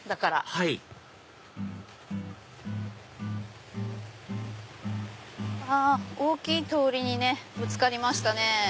はい大きい通りにねぶつかりましたね。